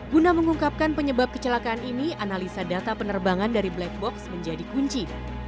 guna mengungkapkan penyebab kecelakaan ini analisa data penerbangan dari black box menjadi kunci